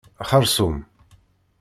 Xerṣum.